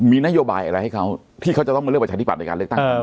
มีนโยบายอะไรให้เขาที่เขาจะต้องมาเลือกประชาธิบัตย์ในการเลือกตั้ง